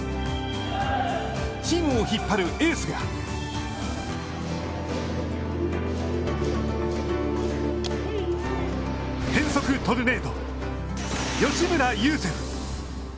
チームを引っ張るエースが変則トルネード吉村優聖歩。